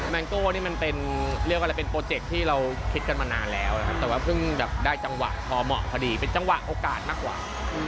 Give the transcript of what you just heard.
งโก้นี่มันเป็นเรียกว่าอะไรเป็นโปรเจคที่เราคิดกันมานานแล้วนะครับแต่ว่าเพิ่งแบบได้จังหวะพอเหมาะพอดีเป็นจังหวะโอกาสมากกว่า